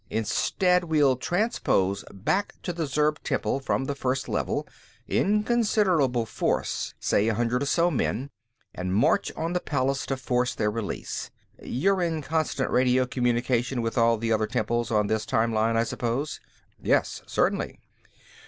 Instead, we'll transpose back to the Zurb temple from the First Level, in considerable force say a hundred or so men and march on the palace, to force their release. You're in constant radio communication with all the other temples on this time line, I suppose?" "Yes, certainly."